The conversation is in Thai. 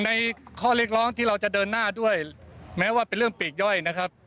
ในการแก้ไขรัฐมณูนคือการปฏิรูปกระบวนการยุติธรรมนะครับ